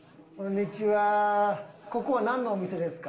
ここはなんのお店ですか？